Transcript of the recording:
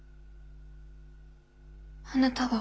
あなたは。